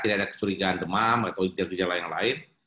jika ada kebijakan demam atau kebijakan yang lain